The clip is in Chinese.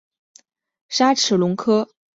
鲨齿龙科是群大型肉食性兽脚亚目恐龙。